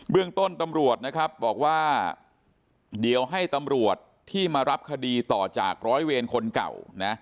เรื่องต้นตำรวจนะครับบอกว่าเดี๋ยวให้ตำรวจที่มารับคดีต่อจากร้อยเวรคนเก่านะ